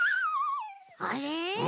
あれ？